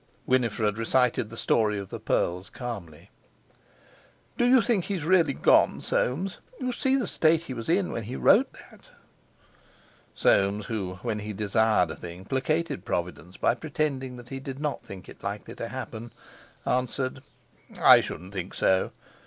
Winifred recited the story of the pearls calmly. "Do you think he's really gone, Soames? You see the state he was in when he wrote that." Soames who, when he desired a thing, placated Providence by pretending that he did not think it likely to happen, answered: "I shouldn't think so.